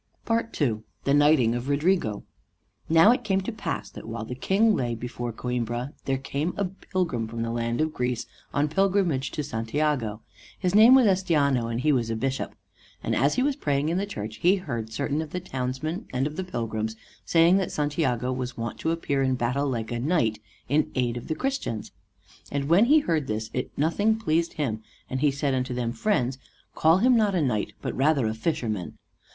II THE KNIGHTING OF RODRIGO Now it came to pass that while the King lay before Coimbra, there came a pilgrim from the land of Greece on pilgrimage to Santiago; his name was Estiano, and he was a bishop. And as he was praying in the church he heard certain of the townsmen and of the pilgrims saying that Santiago was wont to appear in battle like a knight, in aid of the Christians. And when he heard this, it nothing pleased him, and he said unto them, "Friends, call him not a knight, but rather a fisherman."